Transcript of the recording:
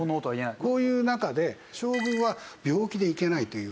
こういう中で将軍は病気で行けないというふうに。